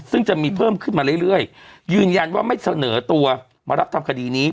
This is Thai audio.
ซึ่งจะมีเพิ่มขึ้นมาเรื่อยยืนยันว่าไม่เสนอตัวมารับทำคดีนี้